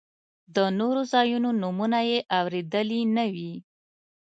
د نورو ځایونو نومونه یې اورېدلي نه وي.